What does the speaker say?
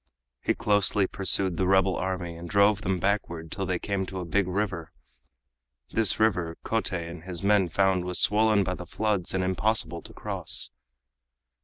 He closely pursued the rebel army and drove them backward till they came to a big river. This river Kotei and his men found was swollen by the floods and impossible to cross.